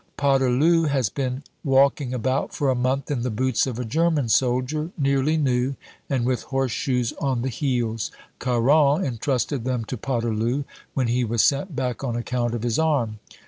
Poterloo has been walking about for a month in the boots of a German soldier, nearly new, and with horseshoes on the heels. Caron entrusted them to Poterloo when he was sent back on account of his arm.